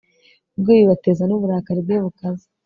bw ubibateza n uburakari bwe bukaze